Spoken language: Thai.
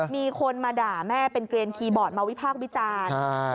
มีคนมาด่าแม่เป็นเกลียนคีย์บอร์ดมาวิพากษ์วิจารณ์